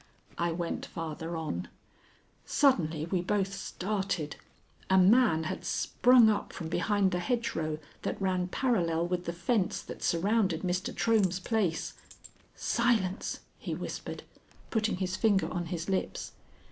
I went farther on. Suddenly we both started; a man had sprung up from behind the hedgerow that ran parallel with the fence that surrounded Mr. Trohm's place. "Silence!" he whispered, putting his finger on his lips.